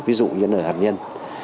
ví dụ như ở hàn nhân